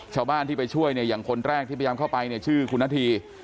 ชาวบ้านที่ไปช่วยอย่างคนแรกที่พยายามเข้าไปชื่อคุณณฑี